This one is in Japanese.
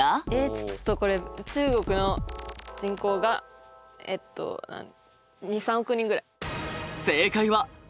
ちょっとこれ中国の人口がえっと２３億人ぐらい。